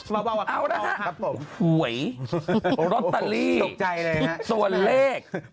ว้าวครับครับผมหวยรอตเตอรี่ส่วนเลขโอ้โหตกใจเลยครับ